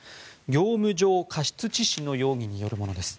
業務上過失致死の容疑によるものです。